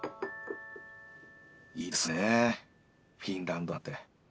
いいですねフィンランドなんて。